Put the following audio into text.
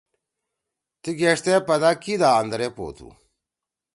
تی گیݜتے پدا کیِدا اندرے پو تُھو۔